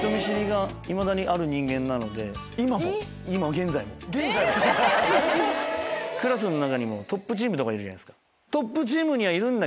現在も⁉クラスの中にトップチームとかいるじゃないですか。